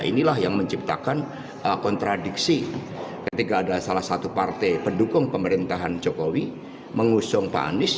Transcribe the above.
inilah yang menciptakan kontradiksi ketika ada salah satu partai pendukung pemerintahan jokowi mengusung pak anies